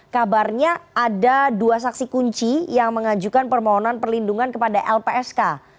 kabarnya ada dua saksi kunci yang mengajukan permohonan perlindungan kepada lpsk